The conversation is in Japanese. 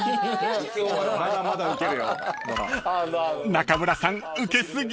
［中村さんウケ過ぎ！］